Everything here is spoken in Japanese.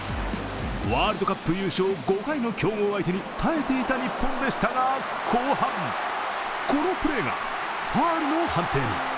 ワールドカップ優勝５回の強豪相手に耐えていた日本でしたが後半、このプレーがファウルの判定に。